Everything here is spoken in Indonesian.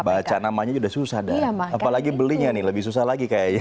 baca namanya sudah susah dah apalagi belinya nih lebih susah lagi kayaknya